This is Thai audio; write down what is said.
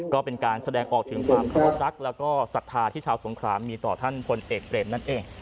ก็เป็นการแสดงออกถึงความคู่รักแล้วก็ศรัทธาที่ชาวสงครามมีต่อท่านพลเอกเบรมนั่นเอง